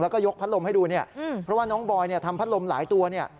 แล้วก็ยกพัดลมให้ดูเนี่ยเพราะว่าน้องบอยเนี่ยทำพัดลมหลายตัวเนี่ย